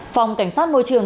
phòng cảnh sát môi trường